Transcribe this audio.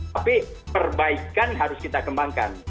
tapi perbaikan harus kita kembangkan